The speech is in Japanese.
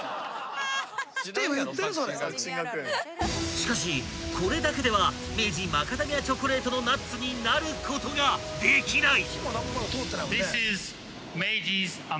［しかしこれだけでは明治マカダミアチョコレートのナッツになることができない！］